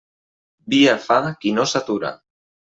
Via fa qui no s'atura.